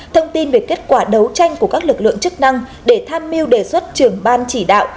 thông tin về kết quả đấu tranh của các lực lượng chức năng để tham mưu đề xuất trưởng ban chỉ đạo